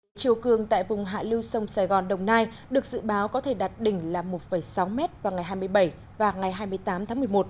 đỉnh chiều cường tại vùng hạ lưu sông sài gòn đồng nai được dự báo có thể đạt đỉnh là một sáu m vào ngày hai mươi bảy và ngày hai mươi tám tháng một mươi một